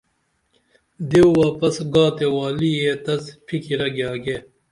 دیو واپس گا تے والی یے تس پِھیکرہ گیاگے